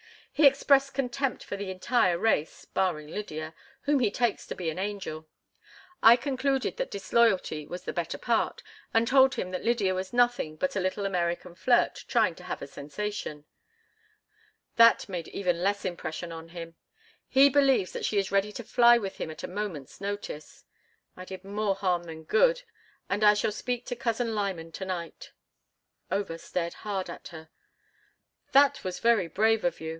He expressed contempt for the entire race, barring Lydia, whom he takes to be an angel. I concluded that disloyalty was the better part, and told him that Lydia was nothing but a little American flirt trying to have a sensation. That made even less impression on him—he believes that she is ready to fly with him at a moment's notice. I did more harm than good, and I shall speak to Cousin Lyman to night." Over stared hard at her. "That was very brave of you.